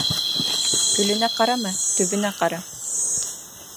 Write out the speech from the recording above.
Гөлөнә ҡарама, төбөнә ҡара.